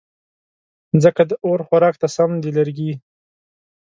ځکه د اور خوراک ته سم دي لرګې